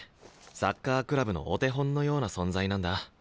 サッカークラブのお手本のような存在なんだ。